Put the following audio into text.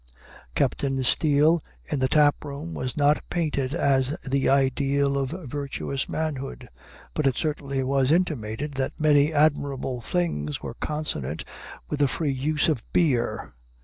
Captain Steele in the tap room was not painted as the ideal of virtuous manhood; but it certainly was intimated that many admirable things were consonant with a free use of beer.